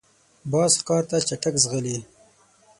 باز ښکار ته چټک ځغلي